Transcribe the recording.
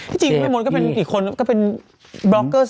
จริงแม่มดก็เป็นอีกคนก็เป็นบล็อกเกอร์